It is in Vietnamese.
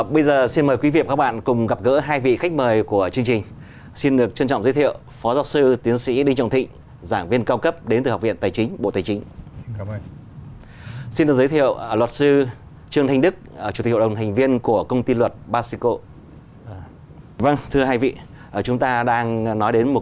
bây giờ xin mời quý vị và các bạn cùng gặp gỡ hai vị khách mời của chương trình